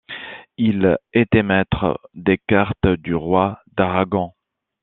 Il était maître des cartes du roi d'Aragon.